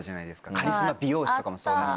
「カリスマ美容師」とかもそうだし。